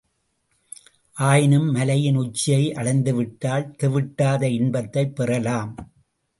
ஆயினும், மலையின் உச்சியை அடைந்துவிட்டால், தெவிட்டாத இன்பத்தைப் பெறலாம்.